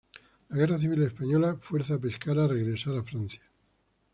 La Guerra civil española fuerza a Pescara a regresar a Francia.